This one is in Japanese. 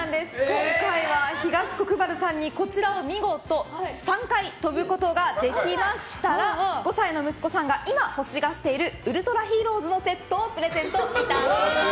今回は東国原さんにこちらを見事３回跳ぶことができましたら５歳の息子さんが今欲しがっているウルトラヒーローズのセットをプレゼントいたします。